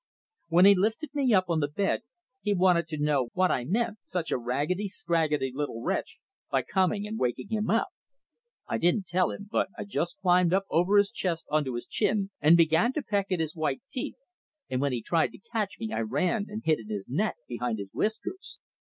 When he lifted me up on the bed he wanted to know what I meant, such a raggedy, scraggedy little wretch, by coming and waking him up. I didn't tell him, but I just climbed up over his chest onto his chin and began to peck at his white teeth, and when he tried to catch me I ran and hid in his neck behind his whiskers.